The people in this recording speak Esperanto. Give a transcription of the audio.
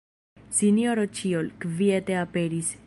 Sinjoro Ĉiol kviete aperis.